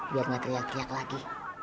biar gak teriak teriak lagi